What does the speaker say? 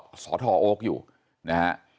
ทำให้สัมภาษณ์อะไรต่างนานไปออกรายการเยอะแยะไปหมด